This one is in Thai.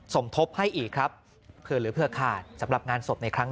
สมทบให้อีกครับเผื่อเหลือเผื่อขาดสำหรับงานศพในครั้ง